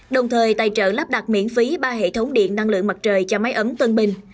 đồng thời tài trợ lắp đặt miễn phí ba hệ thống điện năng lượng mặt trời cho máy ấm tân bình